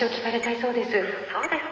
そうですか。